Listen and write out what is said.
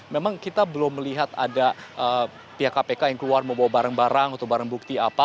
memang kita belum melihat ada pihak kpk yang keluar membawa barang barang atau barang bukti apa